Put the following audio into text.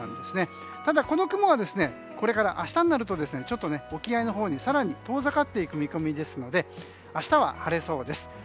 ただ、この雲はこれから明日になるとちょっと沖合のほうに更に遠ざかっていく見込みで明日は晴れそうです。